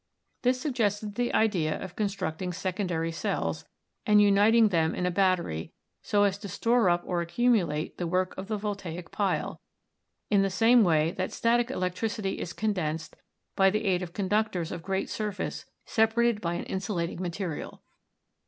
This suggested the idea of constructing secondary cells, and uniting them in a battery, so as to store up or accumulate the work of the voltaic pile, in the same way that static electricity is condensed by the aid of conductors of great surface separated by an insulating material.